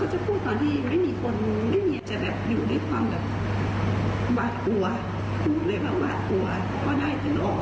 ว่าว่าทางการจะช่วยเราได้ทีนาไป